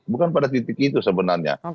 bukan pada titik itu sebenarnya